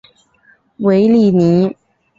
韦里尼。